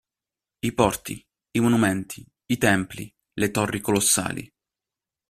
I porti, i monumenti, i templi, le torri colossali.